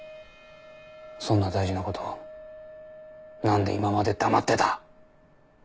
そんな大事なことを何で今まで黙ってた。